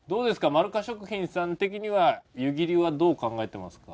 まるか食品さん的には湯切りはどう考えてますか？